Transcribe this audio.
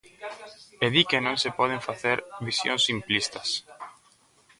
E di que non se poden facer visións simplistas.